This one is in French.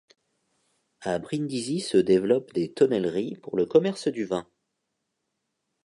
À Brindisi se développent des tonnelleries pour le commerce du vin.